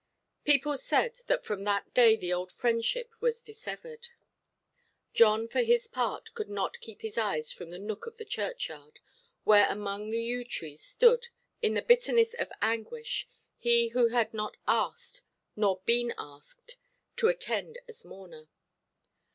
People said that from that day the old friendship was dissevered. John, for his part, could not keep his eyes from the nook of the churchyard, where among the yew–trees stood, in the bitterness of anguish, he who had not asked, nor been asked, to attend as mourner.